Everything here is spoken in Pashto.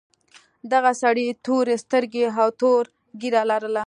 دغه سړي تورې سترګې او تور ږیره لرله.